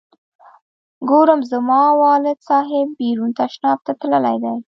ګورم زما والد صاحب بیرون تشناب ته تللی دی.